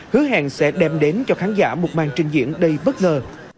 hứa hẹn sẽ đem đến cho khán giả một màn trình diễn đầy bất ngờ